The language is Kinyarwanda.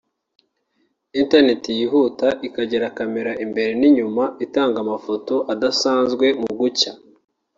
internet yihuta ikanagira camera imbere n’inyuma itanga amafoto adasanzwe mu gucya